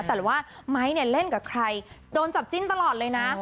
แต่ว่าไม้เนี่ยเล่นกับใครโดนจับจิ้นตลอดเลยนะ